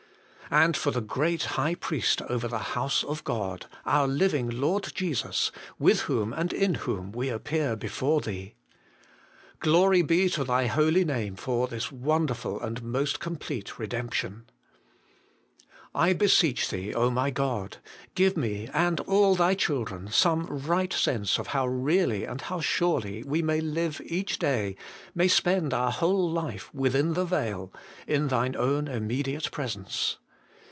And for the Great Priest over the House of God, our Living Lord Jesus, with Whom and in Whom we appear before Thee ? Glory be to Thy Holy Name for this wonderful and most com plete redemption. I beseech Thee, my God ! give me, and all Thy children, some right sense of how really and surely we may live each day, may spend our whole life, within the veil, in Thine own Immediate Presence.